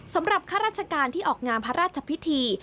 ข้าราชการที่ออกงานพระราชพิธี